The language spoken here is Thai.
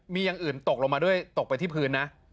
มีอย่างอื่นตกลงมาด้วยตกไปที่พื้นนะ